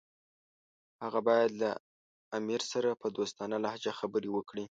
هغه باید له امیر سره په دوستانه لهجه خبرې وکړي.